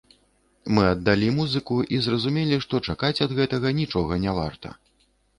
Мы аддалі музыку і зразумелі, што чакаць ад гэтага нічога не варта.